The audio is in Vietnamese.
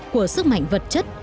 của sức mạnh vật chất